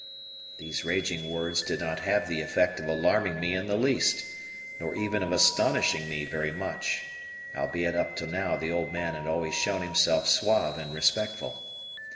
These raging words did not have the effect of alarming me in the least, nor even of astonishing me very much, albeit up till now the old man had always shown himself suave and respectful.